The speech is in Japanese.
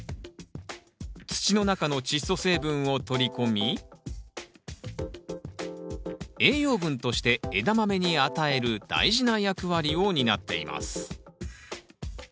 土の中のチッ素成分を取り込み栄養分としてエダマメに与える大事な役割を担っています。